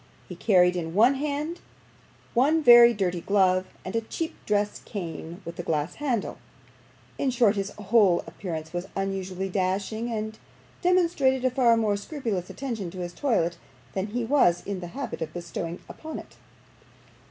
He carried in his hand one very dirty glove, and a cheap dress cane with a glass handle; in short, his whole appearance was unusually dashing, and demonstrated a far more scrupulous attention to his toilet than he was in the habit of bestowing upon it.